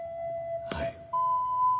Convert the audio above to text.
はい。